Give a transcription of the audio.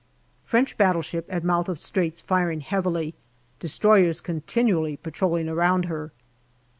French battleship at mouth of Straits firing heavily. Destroyers continually patrolling around her.